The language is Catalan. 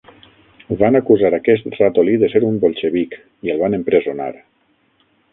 Van acusar aquest ratolí de ser un bolxevic i el van empresonar.